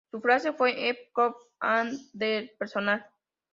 Su frase fue: ""Up Close and Very Personal"".